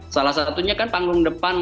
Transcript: salah satunya kan panggung depan